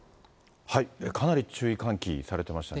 かなり注意喚起されていましたね。